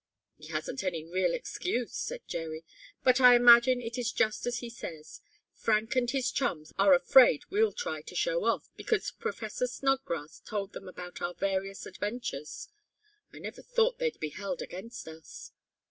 "He hasn't any real excuse," said Jerry, "but I imagine it is just as he says. Frank and his chums are afraid we'll try to show off, because Professor Snodgrass told them about our various adventures. I never thought they'd be held against us."